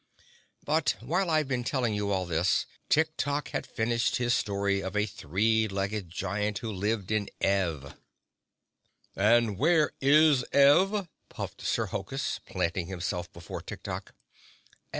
But, while I've been telling you all this, Tik Tok had finished his story of a three legged giant who lived in Ev. "And where is Ev?" puffed Sir Hokus, planting himself before Tik Tok.